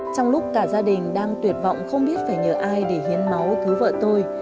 trong lúc cả gia đình đang tuyệt vọng không biết phải nhờ ai để hiến máu cứu vợ tôi